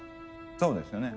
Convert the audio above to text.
そうですよね。